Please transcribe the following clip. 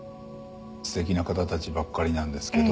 すてきな方たちばっかりなんですけど。